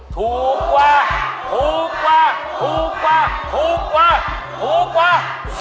ถูกกว่าถูกกว่าถูกกว่าถูกกว่า